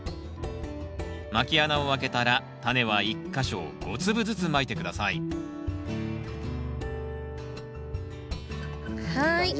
まき穴を開けたらタネは１か所５粒ずつまいて下さいはい。